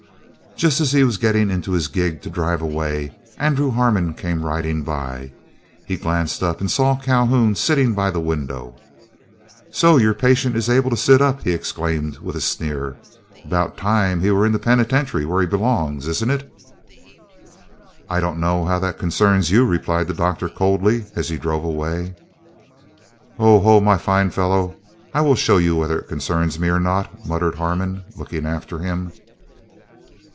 Just as he was getting into his gig to drive away Andrew Harmon came riding by. He glanced up and saw Calhoun sitting by the window. "So, your patient is able to sit up," he exclaimed, with a sneer. "About time he were in the penitentiary, where he belongs, isn't it?" "I don't know how that concerns you," replied the Doctor, coldly, as he drove away. "Oh ho! my fine fellow. I will show you whether it concerns me or not?" muttered Harmon, looking after him.